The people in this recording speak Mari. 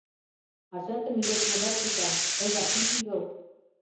Ачатын игылтмыжат сита, тыйжак ит игылт.